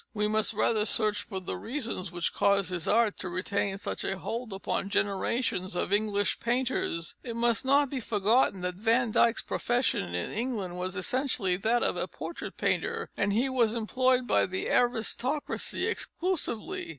We must rather search for the reasons which caused his art to retain such a hold upon generations of English painters. It must not be forgotten that Van Dyck's profession in England was essentially that of a portrait painter, and he was employed by the aristocracy exclusively.